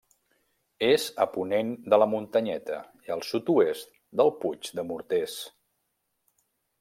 És a ponent de la Muntanyeta i al sud-oest del Puig de Morters.